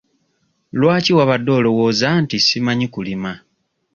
Lwaki wabadde olowooza nti simanyi kulima?